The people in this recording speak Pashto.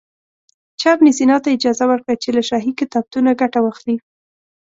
چا ابن سینا ته اجازه ورکړه چې له شاهي کتابتون ګټه واخلي.